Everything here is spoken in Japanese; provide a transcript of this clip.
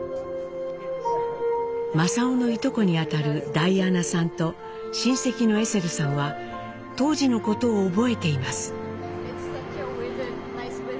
正雄のいとこにあたるダイアナさんと親戚のエセルさんは当時のことを覚えています。